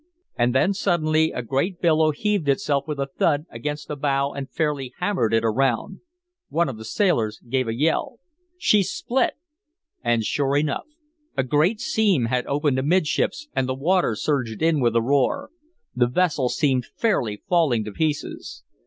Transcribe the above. And then suddenly a great billow heaved itself with a thud against the bow and fairly hammered it around. One of the sailors gave a yell. "She's split!" And sure enough, a great seam had opened amidships and the water surged in with a roar. The vessel seemed fairly falling to pieces.